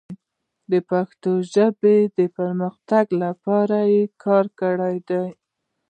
د پښتو ژبې د پرمختګ لپاره یې کار کړی دی.